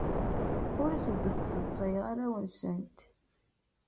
Ur asent-d-sseḍsayeɣ arraw-nsent.